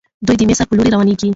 دوی د مصر په لور روانيږي.